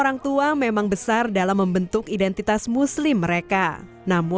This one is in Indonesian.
walaupun bahkan mereka sudah jumlah era wtedy excited untuk meng records como